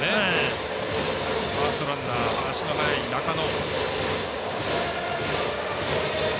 ファーストランナー足の速い中野。